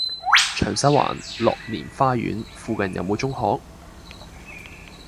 長沙灣樂年花園附近有無中學？